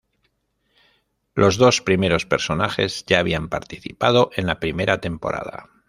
Los dos primeros personajes ya habían participado en la primera temporada.